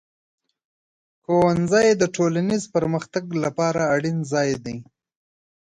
ښوونځی د ټولنیز پرمختګ لپاره اړین ځای دی.